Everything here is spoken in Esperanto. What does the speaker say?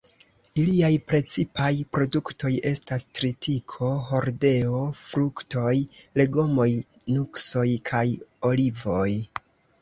Iliaj precipaj produktoj estas tritiko, hordeo, fruktoj, legomoj, nuksoj, kaj olivoj.